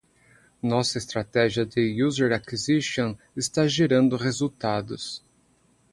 Nossa estratégia de user acquisition está gerando resultados.